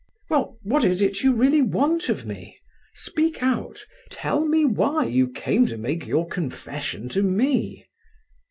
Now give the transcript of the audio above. "Well, what is it you really want of me? Speak out; tell me why you came to make your confession to me?"